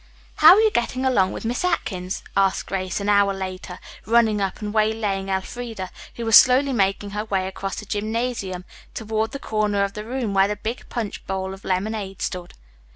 "How are you getting along with Miss Atkins?" asked Grace an hour later, running up and waylaying Elfreda, who was slowly making her way across the gymnasium toward the corner of the room where the big punch bowl of lemonade stood.